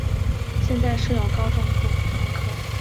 现在设有高中部普通科。